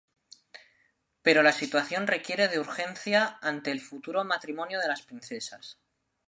Pero la situación requiere de urgencia ante el futuro matrimonio de las princesas.